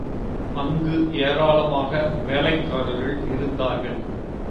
அங்கு ஏராளமாக வேலைக்காரர்கள் இருந்தார்கள்.